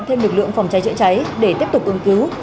thêm lực lượng phòng cháy chữa cháy để tiếp tục ứng cứu